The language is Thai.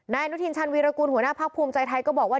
อนุทินชันวีรกูลหัวหน้าพักภูมิใจไทยก็บอกว่า